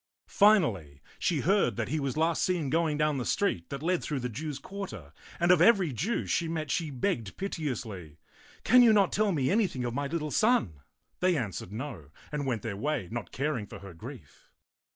Finally, she heard that he was last seen going down the street that led through the Jews' quarter, and of every Jew she met she begged piteously, " Can you not tell me anything of my little son?" They answered no, and went their way, not caring for her grief.